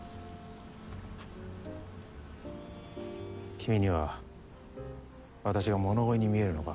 君には私が物乞いに見えるのか？